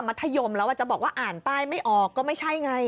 ธยมแล้วจะบอกว่าอ่านป้ายไม่ออกก็ไม่ใช่ไง